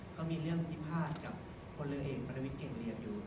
เขามีเรื่องที่พลาดกับคนเหลือเอกบรรณวิทย์เก่งเรียนอยู่